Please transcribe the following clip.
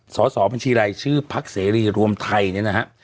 สอบบัญชีรายชื่อพักเสรีรวมไทยเนี่ยนะฮะ